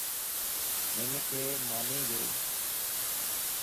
ھنک ماني ڏي